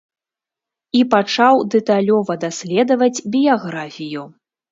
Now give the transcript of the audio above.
І пачаў дэталёва даследаваць біяграфію.